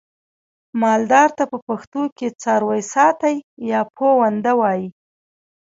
مالدار ته په پښتو کې څارويساتی یا پوونده وایي.